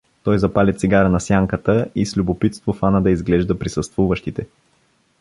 Той запали цигара на сянката и с любопитство фана да изглежда присъствуващите.